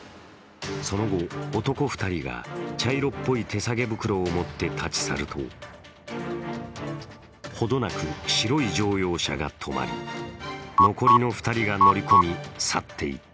その後、男２人が茶色っぽい手提げ袋を持って立ち去ると程なく白い乗用車が止まり、残りの２人が乗り込み去っていった。